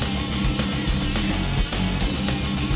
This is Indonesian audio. hei udah jangan nangis